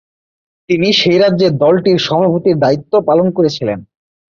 তিনি সেই রাজ্যে দলটির সভাপতির দায়িত্ব পালন করেছিলেন।